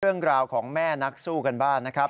เรื่องราวของแม่นักสู้กันบ้างนะครับ